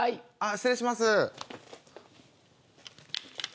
失礼します。